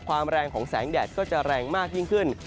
แรงของแสงแดดก็จะแรงมากยิ่งขึ้น